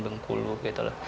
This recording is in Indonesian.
bengkulu gitu loh